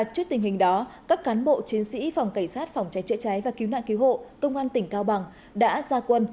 trước tình hình đó các cán bộ chiến sĩ phòng cảnh sát phòng trái trợ trái và cứu nạn cứu hộ công an tỉnh cao bằng đã ra quân